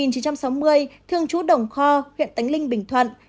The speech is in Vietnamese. thường trú đồng kho huyện tánh linh bình thuận